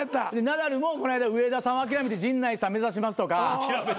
ナダルもこないだ「上田さんを諦めて陣内さん目指します」とか。